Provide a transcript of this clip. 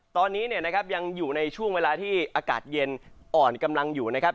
ตอนนี้เนี่ยนะครับยังอยู่ในช่วงเวลาที่อากาศเย็นอ่อนกำลังอยู่นะครับ